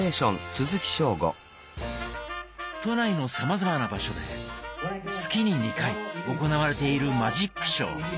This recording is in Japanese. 都内のさまざまな場所で月に２回行われているマジックショー。